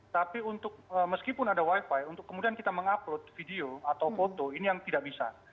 tapi untuk meskipun ada wifi untuk kemudian kita mengupload video atau foto ini yang tidak bisa